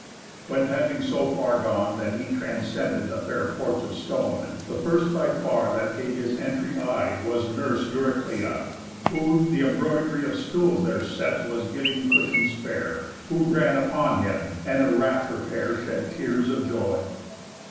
When having so far gone That he transcended the fair porch of stone, The first by far that gave his entry eye Was nurse Euryclea; who th' embrodery Of stools there set was giving cushions fair; Who ran upon him, and her rapt repair Shed tears for joy.